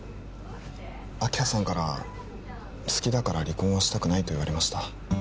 明葉さんから「好きだから離婚はしたくない」と言われました